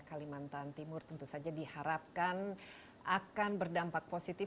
kalimantan timur tentu saja diharapkan akan berdampak positif